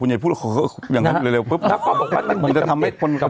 อย่าพูดอย่างนั้นเร็ว